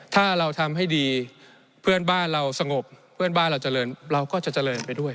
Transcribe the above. ถ้าเราทำให้ดีเพื่อนบ้านเราสงบเพื่อนบ้านเราเจริญเราก็จะเจริญไปด้วย